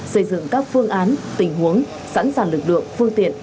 xây dựng các phương án tình huống sẵn sàng lực lượng phương tiện